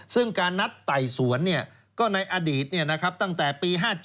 ซึ่งการนัดไต่สวนก็ในอดีตตั้งแต่ปี๕๗